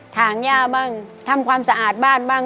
ถางย่าบ้างทำความสะอาดบ้านบ้าง